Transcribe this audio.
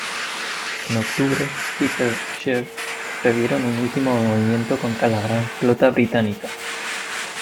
En octubre, Hipper y Scheer previeron un último movimiento contra la Gran Flota británica.